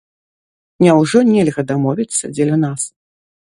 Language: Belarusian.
Няўжо нельга дамовіцца дзеля нас?